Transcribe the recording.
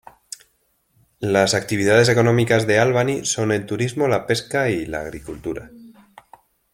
Las actividades económicas de Albany son el turismo, la pesca y la agricultura.